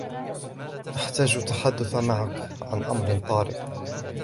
أحتاج التحدث معك عن أمر طارئ